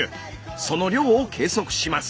その量を計測します。